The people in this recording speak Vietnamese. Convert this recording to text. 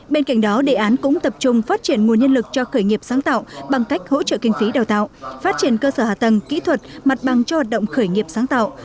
bên cạnh đó đề án cũng tập trung phát triển nguồn nhân lực cho khởi nghiệp sáng tạo bằng cách hỗ trợ kinh phí đào tạo phát triển cơ sở hạ tầng kỹ thuật mặt bằng cho hoạt động khởi nghiệp sáng tạo